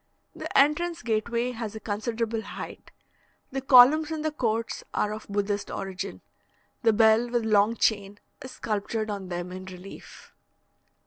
The entrance gateway has a considerable height. The columns in the courts are of Buddhist origin; the bell with long chain is sculptured on them in relief.